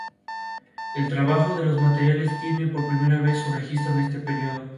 El trabajo de los materiales tiene por primera vez su registro en este período.